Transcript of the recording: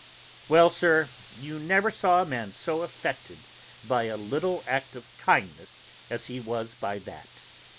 Well, sir, you never saw a man so affected by a little act of kindness as he was by that.